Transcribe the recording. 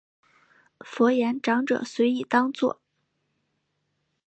佛言长者随意当作。